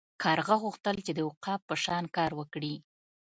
کارغه غوښتل چې د عقاب په شان کار وکړي.